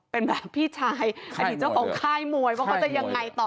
เป็นแบบพี่ชายอดีตเจ้าของค่ายมวยว่าเขาจะยังไงต่อ